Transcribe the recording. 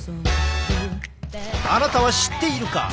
あなたは知っているか？